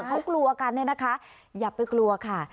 ถ้าเขากลัวกันนะคะอย่าไปกลัวค่ะ